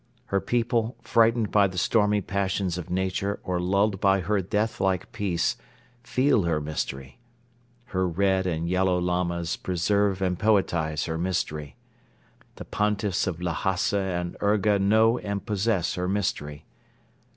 Her people, frightened by the stormy passions of Nature or lulled by her deathlike peace, feel her mystery. Her "Red" and "Yellow Lamas" preserve and poetize her mystery. The Pontiffs of Lhasa and Urga know and possess her mystery.